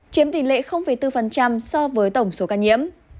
chiếm tỷ lệ bốn so với tổng số ca nhiễm